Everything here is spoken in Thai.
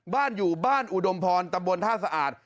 บ้านอยู่บ้านอุดมพรตำบลท่าสะอาด